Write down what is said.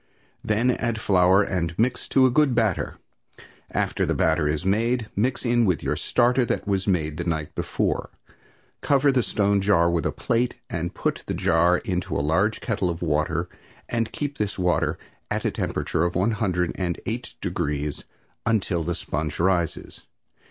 Then add flour and mix to a good batter; after the batter is made, mix in your starter that was made the night before. Cover the stone jar with a plate and put the jar in a large kettle of water and keep this water at a temperature of one hundred and eight degrees until the sponge rises.